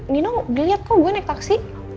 nino lihat kok gue naik taksi